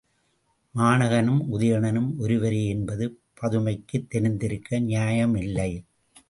மாணகனும், உதயணனும் ஒருவரே என்பது பதுமைக்குத் தெரிந்திருக்க நியாயமில்லை.